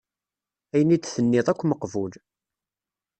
Ayen i d-tenniḍ akk meqbul.